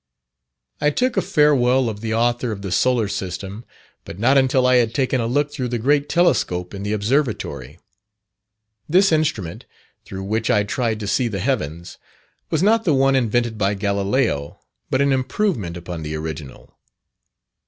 I took a farewell of the author of the "Solar System," but not until I had taken a look through the great telescope in the observatory. This instrument, through which I tried to see the heavens, was not the one invented by Galileo, but an improvement upon the original.